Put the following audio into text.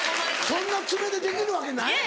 そんな爪でできるわけないやろ。